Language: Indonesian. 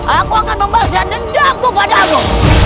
aku akan membalaskan dendamku padamu